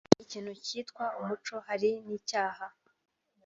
Hari ikintu kitwa umuco hari n’icyaha